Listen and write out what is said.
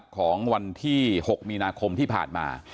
ของวันที่๖มีนาคมที่ผ่านมา